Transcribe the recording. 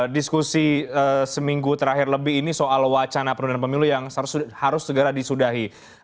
diskusi seminggu terakhir lebih ini soal wacana pendudukan pemilu yang harus segera disudahi